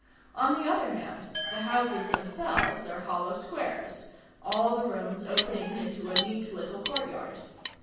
On the other hand, the houses themselves are hollow squares; all the rooms opening into a neat little courtyard.